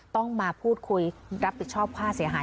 ต้องมาพูดคุยรับผิดชอบค่าเสียหาย